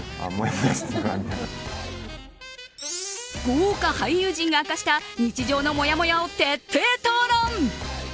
豪華俳優陣が明かした日常のもやもやを徹底討論。